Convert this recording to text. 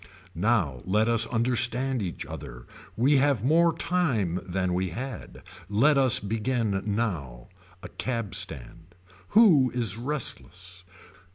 Now let us understand each other. We have more time than we had. Let us begin now. A cab stand. Who is restless.